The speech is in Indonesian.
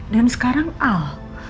dan sekarang al